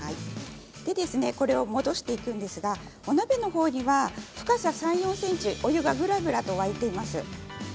これを戻していくんですがお鍋のほうには深さ３、４ｃｍお湯がぐらぐらと沸いています。